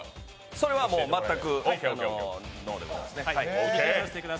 それは全くノーでございますね。